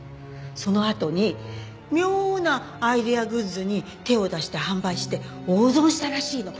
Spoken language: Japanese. そのあとに妙なアイデアグッズに手を出して販売して大損したらしいの。